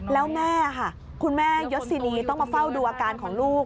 แล้วแม่ค่ะคุณแม่ยศินีต้องมาเฝ้าดูอาการของลูก